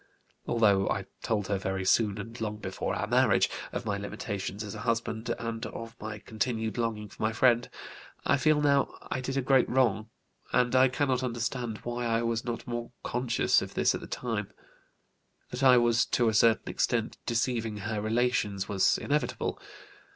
Although I told her very soon, and long before our marriage, of my limitations as a husband and of my continued longing for my friend, I feel now I did a great wrong, and I cannot understand why I was not more conscious of this at the time; that I was to a certain extent deceiving her relations was inevitable.